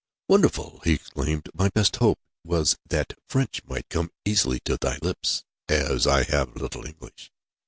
"Wonderful!" he exclaimed. "My best hope was that French might come easily to thy lips, as I have little English."